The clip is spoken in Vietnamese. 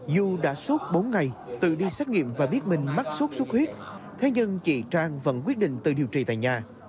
dù đã suốt bốn ngày tự đi xét nghiệm và biết mình mắc sốt xuất huyết thế nhưng chị trang vẫn quyết định tự điều trị tại nhà